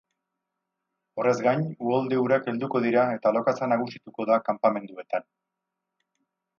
Horrez gain, uholde-urak helduko dira eta lokatza nagusituko da kanpamenduetan.